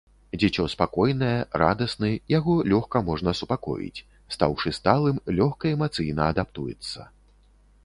Дзіцё спакойнае, радасны, яго лёгка можна супакоіць, стаўшы сталым, лёгка эмацыйна адаптуецца.